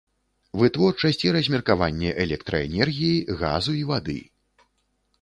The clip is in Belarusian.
Вытворчасць і размеркаванне электраэнергіі, газу і вады.